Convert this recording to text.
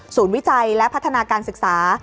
วิจัยและพัฒนาการศึกษา